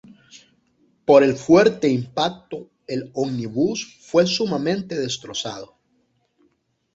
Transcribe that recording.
Por el fuerte impacto el ómnibus fue sumamente destrozado.